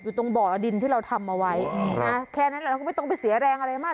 ตรงบ่อดินที่เราทำเอาไว้นะแค่นั้นเราก็ไม่ต้องไปเสียแรงอะไรมาก